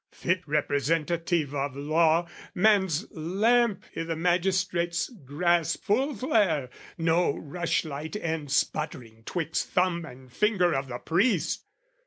Fit representative of law, man's lamp I' the magistrate's grasp full flare, no rushlight end Sputtering 'twixt thumb and finger of the priest!